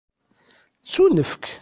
Ttunefk.